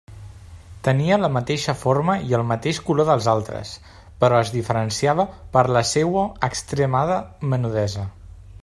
Tenia la mateixa forma i el mateix color dels altres, però es diferenciava per la seua extremada menudesa.